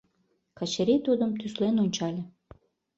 Качырий тудым тӱслен ончале.